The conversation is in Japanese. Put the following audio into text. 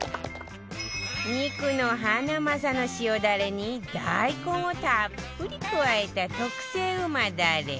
肉のハナマサの塩ダレに大根をたっぷり加えた特製うまダレ